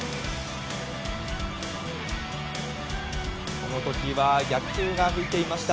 この時は逆風が吹いていました。